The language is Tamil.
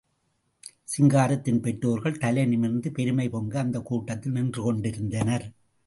சிங்காரத்தின் பெற்றோர்கள் தலை நிமிர்ந்து, பெருமை பொங்க அந்தக் கூட்டத்தில் நின்று கொண்டிருந்தனர்.